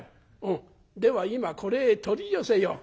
「うんでは今これへ取り寄せよう」。